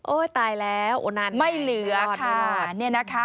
โอ๊ยตายแล้วไม่เหลือค่ะ